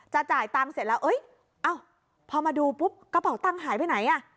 จ่ายตังค์เสร็จแล้วพอมาดูปุ๊บกระเป๋าตังค์หายไปไหนอ่ะ